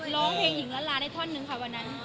ร้องเพลงหญิงล้านลาได้ท่อนนึงค่ะวันนั้น